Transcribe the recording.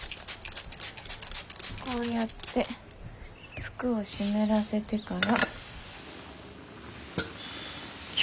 こうやって服を湿らせてから。